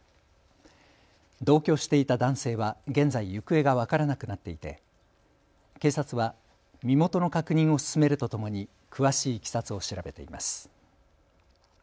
同居していた男性は現在行方が分からなくなっていて警察は身元の確認を進めるとともに詳しいいきさつを調べています。